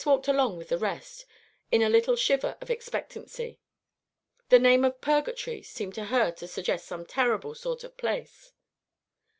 PAGE 188.] Candace walked along with the rest, in a little shiver of expectancy. The name of "Purgatory" seemed to her to suggest some terrible sort of place.